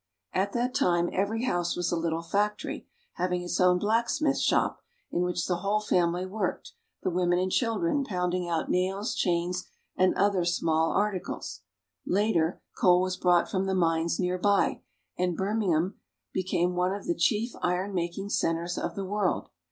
At that time every house was a little factory, having its own blacksmith shop, in which the whole family worked, the women and children pound ing out nails, chains, and other small articles. Later coal was brought from the mines near by, and Birmingham became one of the chief iron making centers of the world.